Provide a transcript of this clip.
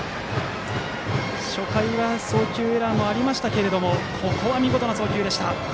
初回は送球エラーもありましたがここは見事な送球でした。